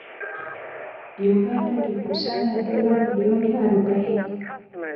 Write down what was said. Uganda ilikusanya dola milioni arobaine